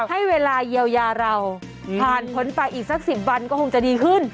ให้เวลาเยียวยาเราผ่านพ้นไปอีกสัก๑๐วันก็คงจะดีขึ้น